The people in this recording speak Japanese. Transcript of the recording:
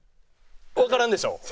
わからんでしょ？